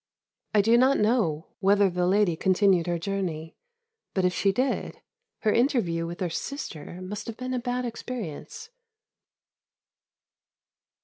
I do not know whether the lady continued her journey; but, if she did, her interview with her sister must have been a bad experience.